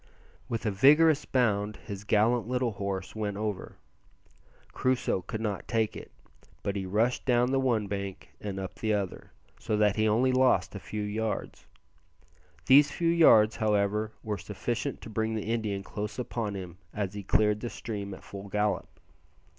With a vigorous bound his gallant little horse went over. Crusoe could not take it, but he rushed down the one bank and up the other, so that he only lost a few yards. These few yards, however, were sufficient to bring the Indian close upon him as he cleared the stream at full gallop.